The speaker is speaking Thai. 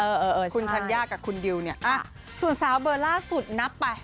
เออคุณชัญญากับคุณดิวเนี่ยส่วนสาวเบอร์ล่าสุดนับไป